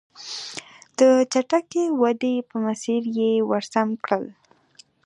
د چټکې ودې په مسیر یې ور سم کړل.